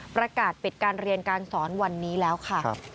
ประกาศปิดการเรียนการสอนวันนี้แล้วค่ะ